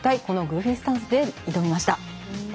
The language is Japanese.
このグーフィースタンスで挑みました。